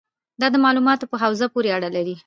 دا د معاملاتو په حوزې پورې اړه لري.